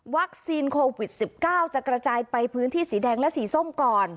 โควิด๑๙จะกระจายไปพื้นที่สีแดงและสีส้มก่อน